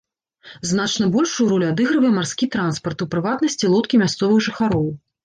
Значна большую ролю адыгрывае марскі транспарт, у прыватнасці лодкі мясцовых жыхароў.